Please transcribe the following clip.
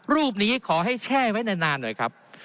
รูปนี้ขอให้แช่ไว้นานหน่อยครับ